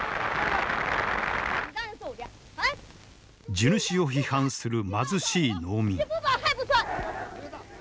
地主を批判する貧しい農民。